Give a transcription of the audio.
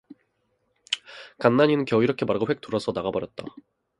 간난이는 겨우 이렇게 말하고 홱 돌아서 나가 버렸다.